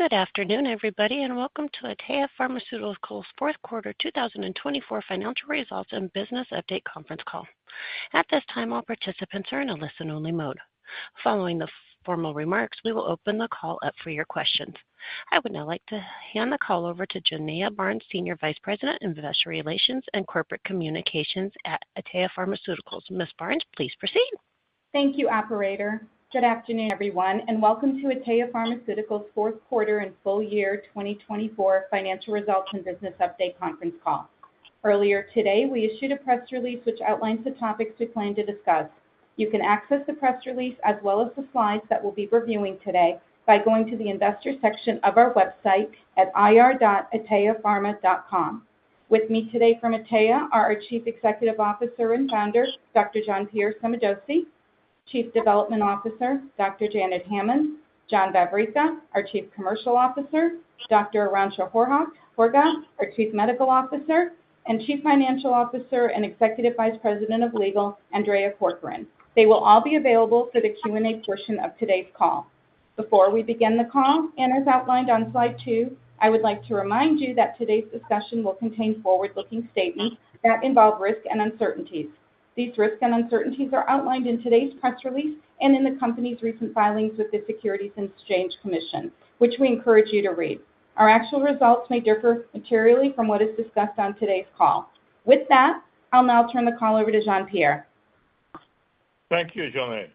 Good afternoon, everybody, and welcome to Atea Pharmaceuticals' Fourth Quarter 2024 Financial Results and Business Update Conference Call. At this time, all participants are in a listen-only mode. Following the formal remarks, we will open the call up for your questions. I would now like to hand the call over to Jonae Barnes, Senior Vice President, Investor Relations and Corporate Communications at Atea Pharmaceuticals. Ms. Barnes, please proceed. Thank you, Operator. Good afternoon, everyone, and welcome to Atea Pharmaceuticals' Fourth Quarter and Full Year 2024 Financial Results and Business Update Conference Call. Earlier today, we issued a press release which outlines the topics we plan to discuss. You can access the press release, as well as the slides that we'll be reviewing today, by going to the Investor section of our website at ir.ateapharma.com. With me today from Atea are our Chief Executive Officer and Founder, Dr. Jean-Pierre Sommadossi, Chief Development Officer, Dr. Janet Hammond, John Vavricka, our Chief Commercial Officer, Dr. Arantxa Horga, our Chief Medical Officer, and Chief Financial Officer and Executive Vice President of Legal, Andrea Corcoran. They will all be available for the Q&A portion of today's call. Before we begin the call, and as outlined on Slide 2, I would like to remind you that today's discussion will contain forward-looking statements that involve risk and uncertainties. These risks and uncertainties are outlined in today's press release and in the company's recent filings with the Securities and Exchange Commission, which we encourage you to read. Our actual results may differ materially from what is discussed on today's call. With that, I'll now turn the call over to Jean-Pierre. Thank you, Jonae.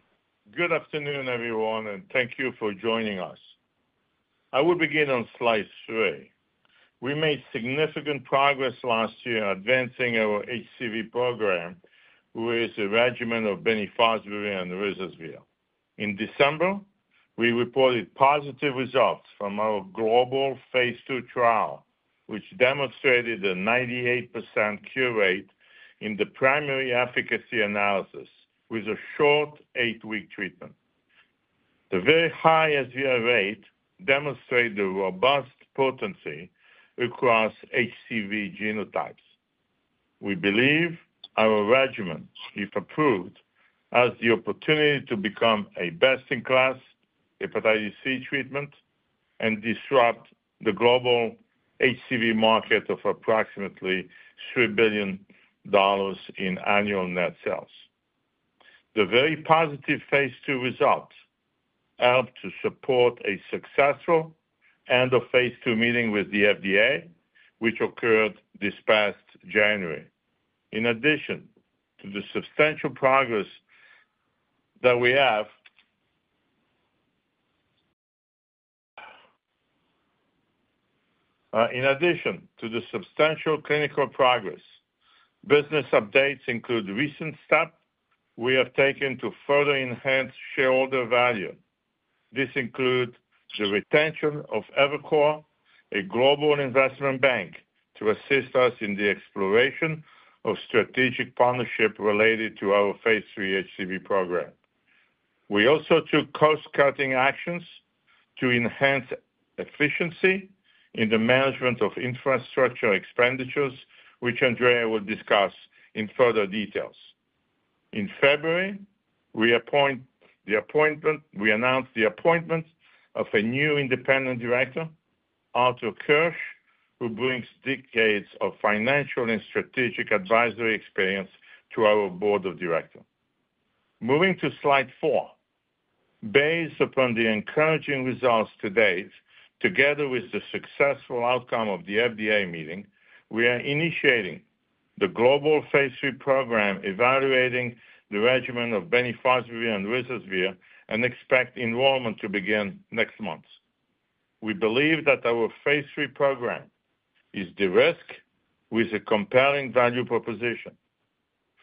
Good afternoon, everyone, and thank you for joining us. I will begin on Slide 3. We made significant progress last year advancing our HCV program with a regimen of bemnifosbuvir and ruzasvir. In December, we reported positive results from our global Phase 2 trial, which demonstrated a 98% cure rate in the primary efficacy analysis with a short eight-week treatment. The very high SVR12 rate demonstrated a robust potency across HCV genotypes. We believe our regimen, if approved, has the opportunity to become a best-in-class hepatitis C treatment and disrupt the global HCV market of approximately $3 billion in annual net sales. The very positive Phase 2 results helped to support a successful end of Phase 2 meeting with the FDA, which occurred this past January. In addition to the substantial progress that we have, in addition to the substantial clinical progress, business updates include recent steps we have taken to further enhance shareholder value. This includes the retention of Evercore, a global investment bank, to assist us in the exploration of strategic partnerships related to our Phase 3 HCV program. We also took cost-cutting actions to enhance efficiency in the management of infrastructure expenditures, which Andrea will discuss in further details. In February, we announced the appointment of a new independent director, Arthur Kirsch, who brings decades of financial and strategic advisory experience to our board of directors. Moving to Slide 4, based upon the encouraging results to date, together with the successful outcome of the FDA meeting, we are initiating the global Phase 3 program, evaluating the regimen of bemnifosbuvir and ruzasvir, and expect enrollment to begin next month. We believe that our Phase 3 program is diverse with a compelling value proposition.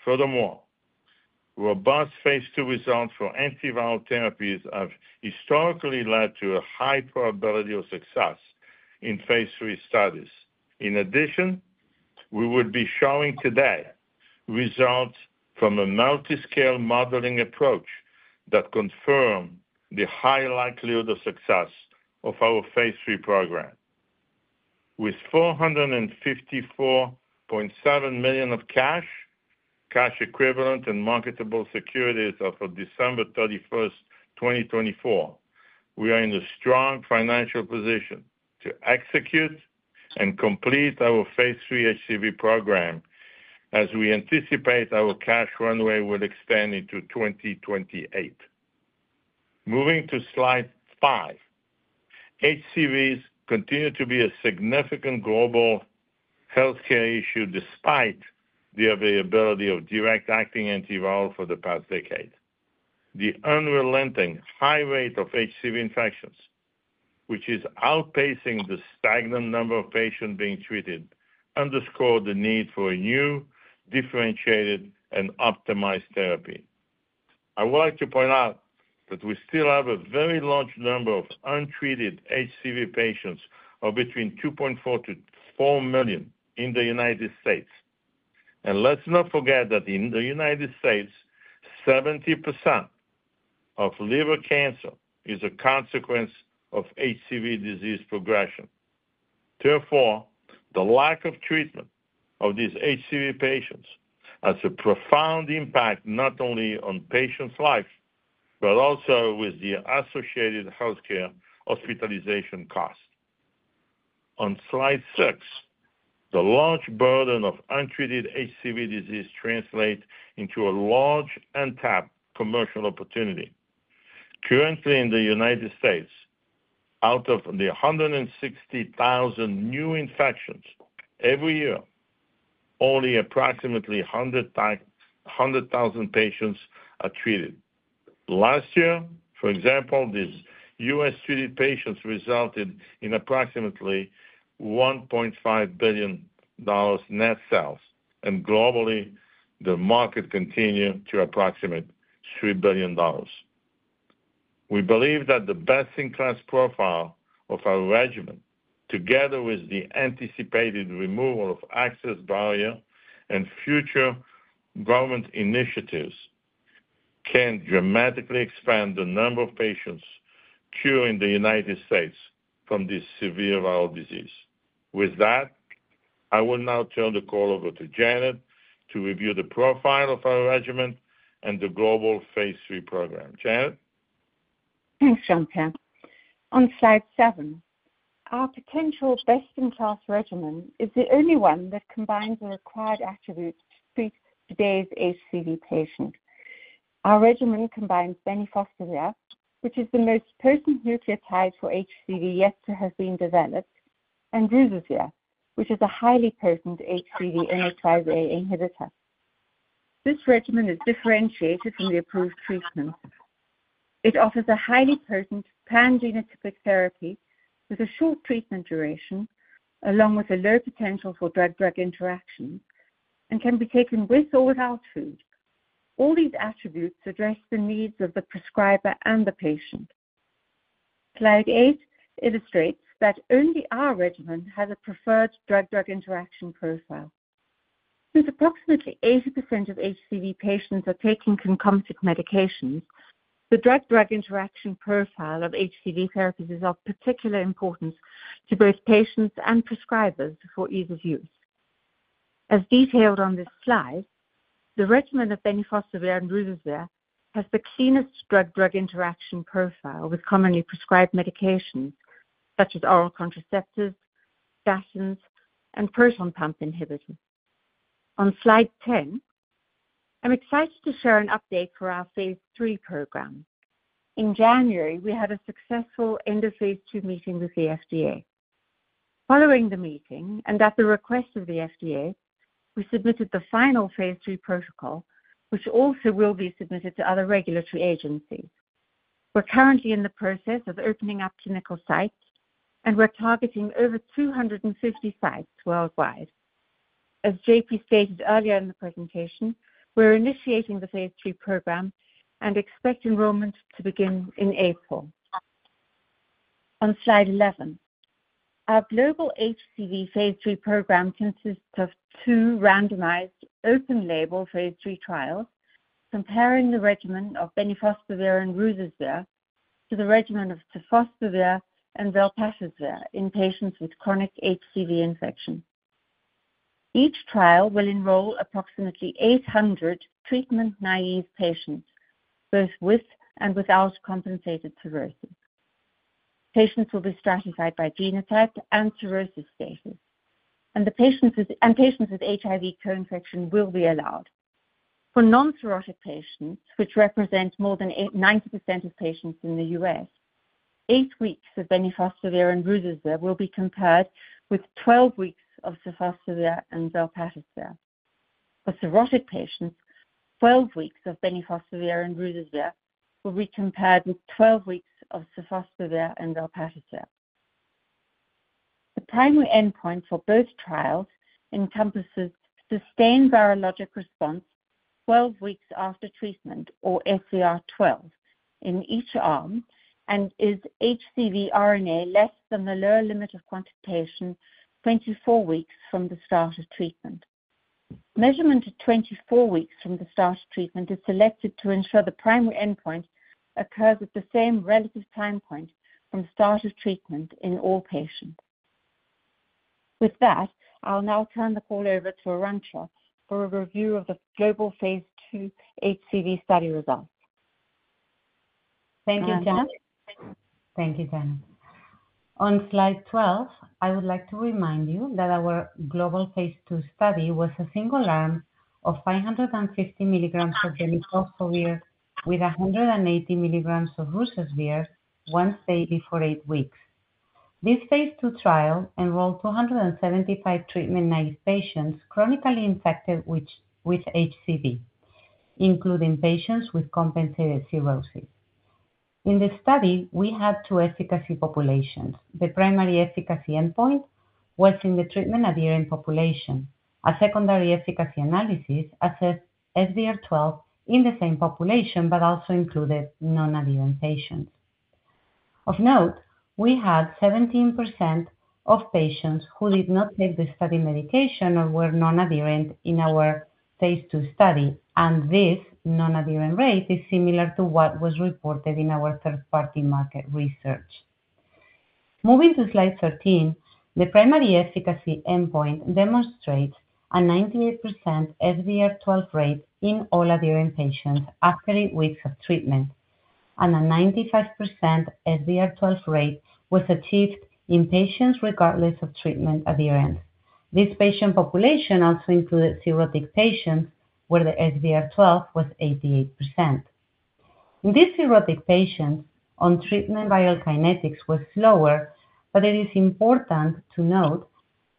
Furthermore, robust Phase 2 results for antiviral therapies have historically led to a high probability of success in Phase 3 studies. In addition, we would be showing today results from a multiscale modeling approach that confirms the high likelihood of success of our Phase 3 program. With $454.7 million of cash, cash equivalent, and marketable securities as of December 31, 2024, we are in a strong financial position to execute and complete our Phase 3 HCV program, as we anticipate our cash runway will extend into 2028. Moving to Slide 5, HCV continue to be a significant global healthcare issue despite the availability of direct-acting antivirals for the past decade. The unrelenting high rate of HCV infections, which is outpacing the stagnant number of patients being treated, underscore the need for a new, differentiated, and optimized therapy. I would like to point out that we still have a very large number of untreated HCV patients, or between 2.4-4 million, in the United States. Let's not forget that in the United States, 70% of liver cancer is a consequence of HCV disease progression. Therefore, the lack of treatment of these HCV patients has a profound impact not only on patients' lives but also with the associated healthcare hospitalization costs. On Slide 6, the large burden of untreated HCV disease translates into a large untapped commercial opportunity. Currently, in the United States, out of the 160,000 new infections every year, only approximately 100,000 patients are treated. Last year, for example, these U.S.-treated patients resulted in approximately $1.5 billion net sales, and globally, the market continued to approximate $3 billion. We believe that the best-in-class profile of our regimen, together with the anticipated removal of access barriers and future government initiatives, can dramatically expand the number of patients cured in the United States from this severe viral disease. With that, I will now turn the call over to Janet to review the profile of our regimen and the global Phase 3 program. Janet? Thanks, Jean-Pierre. On Slide 7, our potential best-in-class regimen is the only one that combines the required attributes to treat today's HCV patients. Our regimen combines bemnifosbuvir, which is the most potent nucleotide for HCV yet to have been developed, and ruzasvir, which is a highly potent HCV inhibitor. This regimen is differentiated from the approved treatment. It offers a highly potent pan-genotypic therapy with a short treatment duration, along with a low potential for drug-drug interaction, and can be taken with or without food. All these attributes address the needs of the prescriber and the patient. Slide 8 illustrates that only our regimen has a preferred drug-drug interaction profile. Since approximately 80% of HCV patients are taking concomitant medications, the drug-drug interaction profile of HCV therapies is of particular importance to both patients and prescribers for ease of use. As detailed on this slide, the regimen of bemnifosbuvir and ruzasvir has the cleanest drug-drug interaction profile with commonly prescribed medications such as oral contraceptives, statins, and proton pump inhibitors. On Slide 10, I'm excited to share an update for our Phase 3 program. In January, we had a successful end of Phase 2 meeting with the FDA. Following the meeting, and at the request of the FDA, we submitted the final Phase 3 protocol, which also will be submitted to other regulatory agencies. We're currently in the process of opening up clinical sites, and we're targeting over 250 sites worldwide. As JP stated earlier in the presentation, we're initiating the Phase 3 program and expect enrollment to begin in April. On Slide 11, our global HCV Phase 3 program consists of two randomized open-label Phase 3 trials comparing the regimen of bemnifosbuvir and ruzasvir to the regimen of sofosbuvir and velpatasvir in patients with chronic HCV infection. Each trial will enroll approximately 800 treatment-naive patients, both with and without compensated cirrhosis. Patients will be stratified by genotype and cirrhosis status, and patients with HIV co-infection will be allowed. For non-cirrhotic patients, which represent more than 90% of patients in the U.S., eight weeks of bemnifosbuvir and ruzasvir will be compared with 12 weeks of sofosbuvir and velpatasvir. For cirrhotic patients, 12 weeks of bemnifosbuvir and ruzasvir will be compared with 12 weeks of sofosbuvir and velpatasvir. The primary endpoint for both trials encompasses sustained virologic response 12 weeks after treatment, or SVR12, in each arm, and is HCV RNA less than the lower limit of quantitation 24 weeks from the start of treatment. Measurement at 24 weeks from the start of treatment is selected to ensure the primary endpoint occurs at the same relative time point from the start of treatment in all patients. With that, I'll now turn the call over to Arantxa for a review of the global Phase 2 HCV study results. Thank you, Janet. Thank you, Janet. On Slide 12, I would like to remind you that our global Phase 2 study was a single arm of 550 milligrams of bemnifosbuvir with 180 milligrams of ruzasvir one day before eight weeks. This Phase 2 trial enrolled 275 treatment-naive patients chronically infected with HCV, including patients with compensated cirrhosis. In the study, we had two efficacy populations. The primary efficacy endpoint was in the treatment-adherent population. A secondary efficacy analysis assessed SVR12 in the same population but also included non-adherent patients. Of note, we had 17% of patients who did not take the study medication or were non-adherent in our Phase 2 study, and this non-adherent rate is similar to what was reported in our third-party market research. Moving to Slide 13, the primary efficacy endpoint demonstrates a 98% SVR12 rate in all adherent patients after eight weeks of treatment, and a 95% SVR12 rate was achieved in patients regardless of treatment adherence. This patient population also included cirrhotic patients where the SVR12 was 88%. In these cirrhotic patients, on-treatment viral kinetics was slower, but it is important to note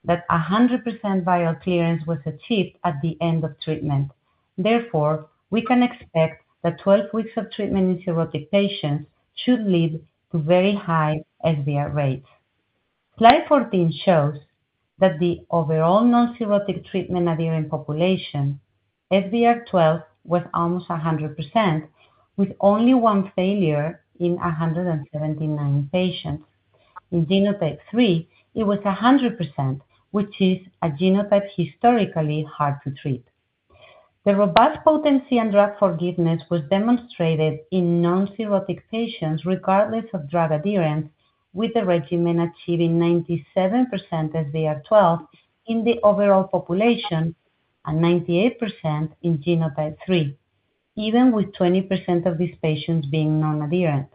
that 100% viral clearance was achieved at the end of treatment. Therefore, we can expect that 12 weeks of treatment in cirrhotic patients should lead to very high SVR rates. Slide 14 shows that the overall non-cirrhotic treatment-adherent population SVR12 was almost 100%, with only one failure in 179 patients. In genotype 3, it was 100%, which is a genotype historically hard to treat. The robust potency and drug forgiveness was demonstrated in non-cirrhotic patients regardless of drug adherence, with the regimen achieving 97% SVR12 in the overall population and 98% in genotype 3, even with 20% of these patients being non-adherent.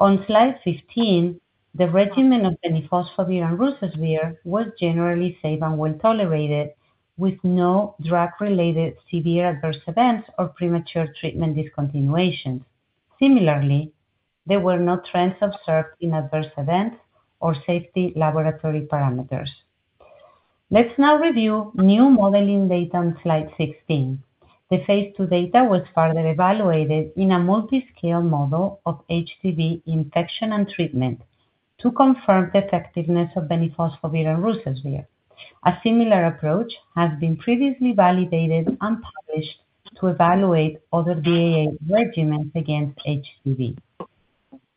On Slide 15, the regimen of bemnifosbuvir and ruzasvir was generally safe and well tolerated, with no drug-related severe adverse events or premature treatment discontinuations. Similarly, there were no trends observed in adverse events or safety laboratory parameters. Let's now review new modeling data on Slide 16. The Phase 2 data was further evaluated in a multiscale model of HCV infection and treatment to confirm the effectiveness of bemnifosbuvir and ruzasvir. A similar approach has been previously validated and published to evaluate other DAA regimens against HCV.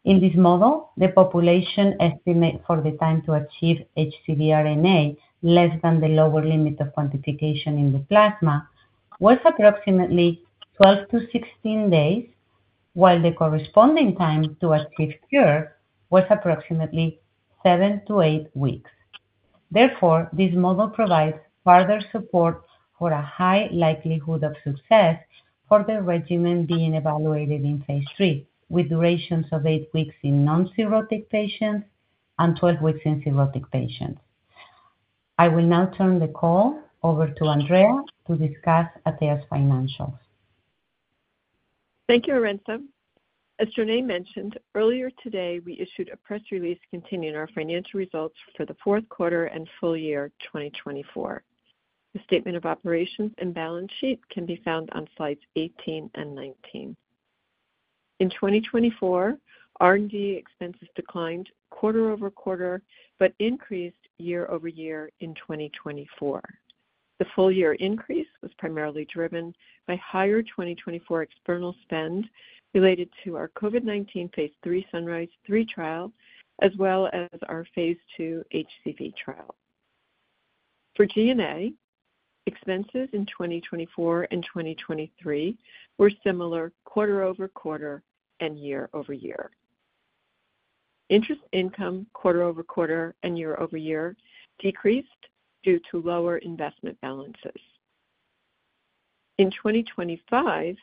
In this model, the population estimate for the time to achieve HCV RNA less than the lower limit of quantification in the plasma was approximately 12-16 days, while the corresponding time to achieve cure was approximately 7-8 weeks. Therefore, this model provides further support for a high likelihood of success for the regimen being evaluated in Phase 3, with durations of eight weeks in non-cirrhotic patients and 12 weeks in cirrhotic patients. I will now turn the call over to Andrea to discuss Atea's financials. Thank you, Arantxa. As Jonae mentioned, earlier today, we issued a press release containing our financial results for the fourth quarter and full year 2024. The statement of operations and balance sheet can be found on Slides 18 and 19. In 2024, R&D expenses declined quarter over quarter but increased year over year in 2024. The full year increase was primarily driven by higher 2024 external spend related to our COVID-19 Phase 3 Sunrise III trial, as well as our Phase 2 HCV trial. For G&A, expenses in 2024 and 2023 were similar quarter over quarter and year over year. Interest income quarter over quarter and year over year decreased due to lower investment balances. In 2025,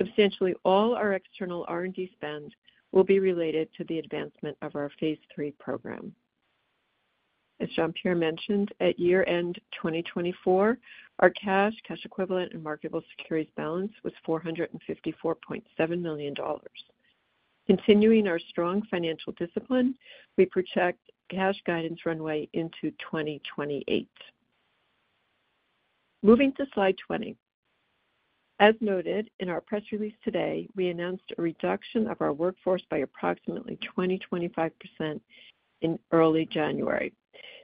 substantially all our external R&D spend will be related to the advancement of our Phase 3 program. As Jean-Pierre mentioned, at year-end 2024, our cash, cash equivalent, and marketable securities balance was $454.7 million. Continuing our strong financial discipline, we project cash guidance runway into 2028. Moving to Slide 20. As noted in our press release today, we announced a reduction of our workforce by approximately 20%-25% in early January.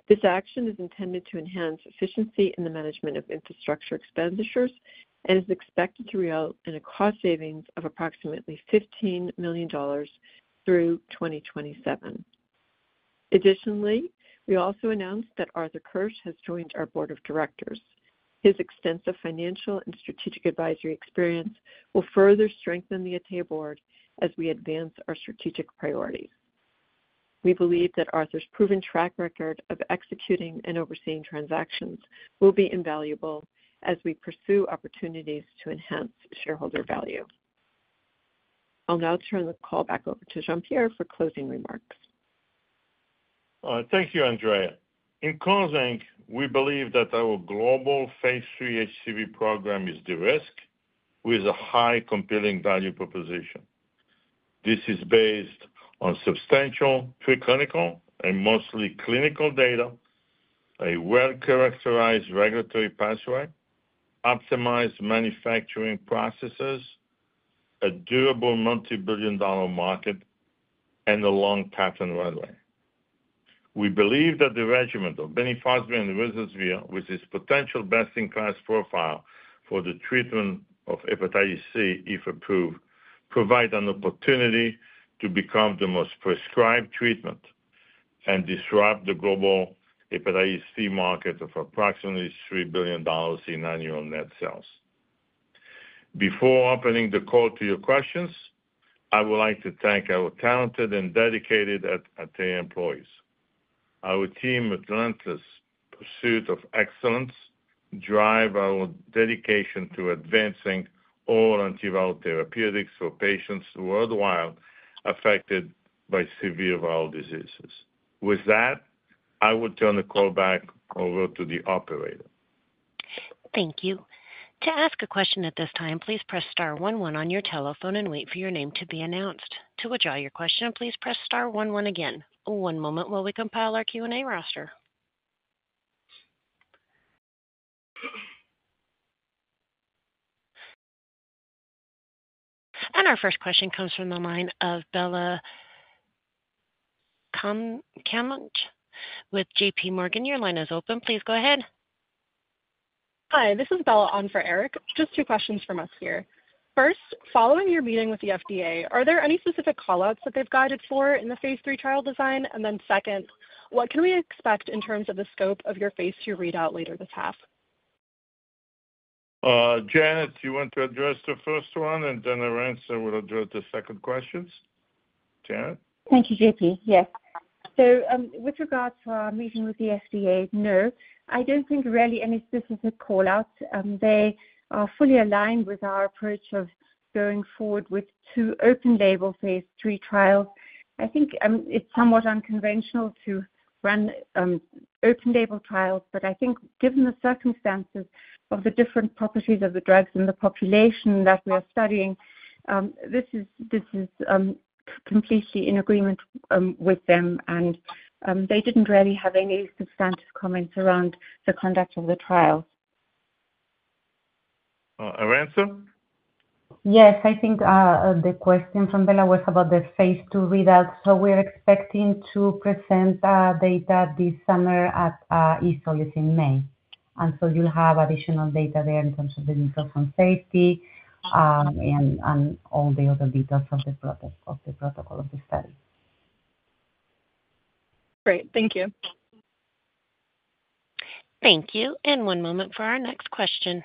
This action is intended to enhance efficiency in the management of infrastructure expenditures and is expected to result in a cost savings of approximately $15 million through 2027. Additionally, we also announced that Arthur Kirsch has joined our board of directors. His extensive financial and strategic advisory experience will further strengthen the Atea board as we advance our strategic priorities. We believe that Arthur's proven track record of executing and overseeing transactions will be invaluable as we pursue opportunities to enhance shareholder value. I'll now turn the call back over to Jean-Pierre for closing remarks. Thank you, Andrea. In closing, we believe that our global Phase 3 HCV program is diverse, with a high compelling value proposition. This is based on substantial preclinical and mostly clinical data, a well-characterized regulatory pathway, optimized manufacturing processes, a durable multi-billion dollar market, and a long patent runway. We believe that the regimen of bemnifosbuvir and ruzasvir, with its potential best-in-class profile for the treatment of hepatitis C, if approved, provides an opportunity to become the most prescribed treatment and disrupt the global hepatitis C market of approximately $3 billion in annual net sales. Before opening the call to your questions, I would like to thank our talented and dedicated Atea employees. Our team's relentless pursuit of excellence drives our dedication to advancing all antiviral therapeutics for patients worldwide affected by severe viral diseases. With that, I will turn the call back over to the operator. Thank you. To ask a question at this time, please press star 11 on your telephone and wait for your name to be announced. To withdraw your question, please press star 11 again. One moment while we compile our Q&A roster. Our first question comes from the line of Bela Camaj with J.P. Morgan. Your line is open. Please go ahead. Hi, this is Bella on for Eric. Just two questions from us here. First, following your meeting with the FDA, are there any specific callouts that they've guided for in the Phase 3 trial design? What can we expect in terms of the scope of your Phase 2 readout later this half? Janet, you want to address the first one, and then Arantxa will address the second question. Janet? Thank you, JP. Yes. With regard to our meeting with the FDA, no, I do not think really any specific callouts. They are fully aligned with our approach of going forward with two open-label Phase 3 trials. I think it is somewhat unconventional to run open-label trials, but I think given the circumstances of the different properties of the drugs in the population that we are studying, this is completely in agreement with them, and they did not really have any substantive comments around the conduct of the trials. Arantxa? Yes, I think the question from Bella was about the Phase 2 readout. We are expecting to present data this summer at EASL, which is in May. You will have additional data there in terms of the details on safety and all the other details of the protocol of the study. Great. Thank you. Thank you. One moment for our next question.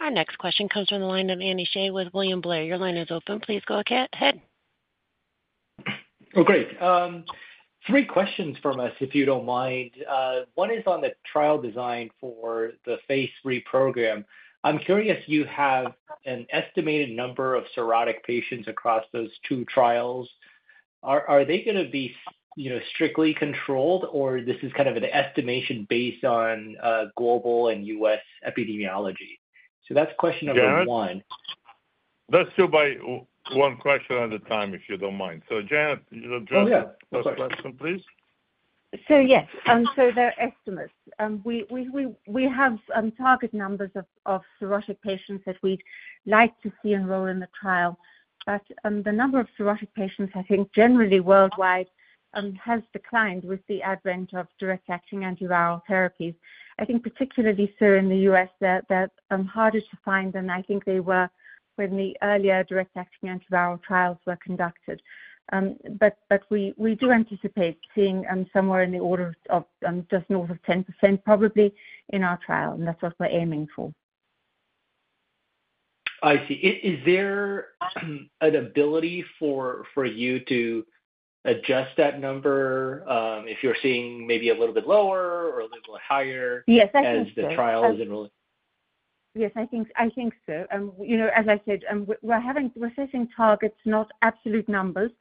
Our next question comes from the line of Andy Shea with William Blair. Your line is open. Please go ahead. Oh, great. Three questions from us, if you don't mind. One is on the trial design for the Phase 3 program. I'm curious, you have an estimated number of cirrhotic patients across those two trials. Are they going to be strictly controlled, or this is kind of an estimation based on global and U.S. epidemiology? So that's question number one. Yeah. Let's do one question at a time, if you don't mind. Janet, you'll address the first question, please. Yes. They're estimates. We have target numbers of cirrhotic patients that we'd like to see enroll in the trial. The number of cirrhotic patients, I think, generally worldwide has declined with the advent of direct-acting antiviral therapies. I think particularly so in the U.S., they're harder to find, and I think they were when the earlier direct-acting antiviral trials were conducted. We do anticipate seeing somewhere in the order of just north of 10%, probably, in our trial, and that's what we're aiming for. I see. Is there an ability for you to adjust that number if you're seeing maybe a little bit lower or a little bit higher as the trial is enrolling? Yes, I think so. As I said, we're setting targets, not absolute numbers,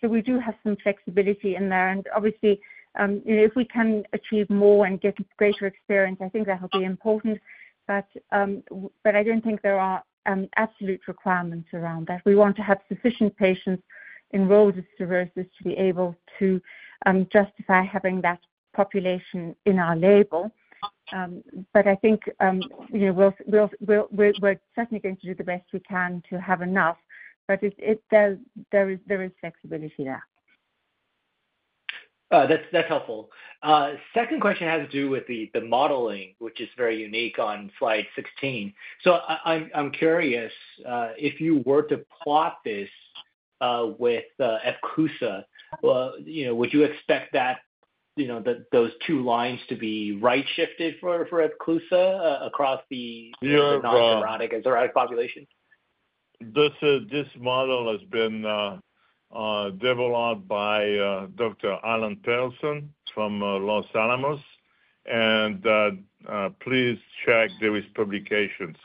so we do have some flexibility in there. Obviously, if we can achieve more and get greater experience, I think that will be important. I don't think there are absolute requirements around that. We want to have sufficient patients enrolled with cirrhosis to be able to justify having that population in our label. I think we're certainly going to do the best we can to have enough, but there is flexibility there. That's helpful. Second question has to do with the modeling, which is very unique on Slide 16. I am curious, if you were to plot this with Epclusa, would you expect those two lines to be right-shifted for Epclusa across the non-cirrhotic and cirrhotic population? This model has been developed by Dr. Alan Perlson from Los Alamos. Please check his publications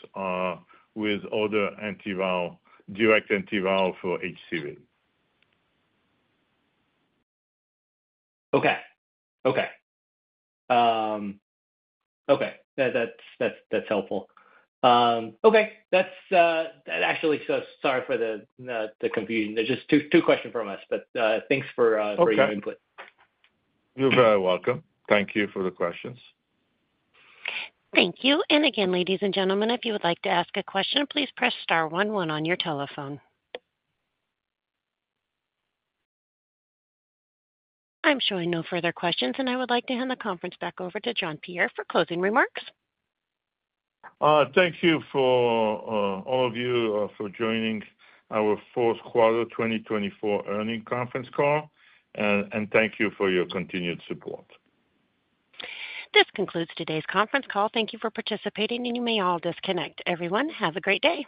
with other direct-acting antivirals for HCV. Okay. Okay. Okay. That's helpful. Okay. Actually, sorry for the confusion. There's just two questions from us, but thanks for your input. You're very welcome. Thank you for the questions. Thank you. Ladies and gentlemen, if you would like to ask a question, please press star 11 on your telephone. I am showing no further questions, and I would like to hand the conference back over to Jean-Pierre for closing remarks. Thank you for all of you for joining our fourth quarter 2024 earnings conference call, and thank you for your continued support. This concludes today's conference call. Thank you for participating, and you may all disconnect. Everyone, have a great day.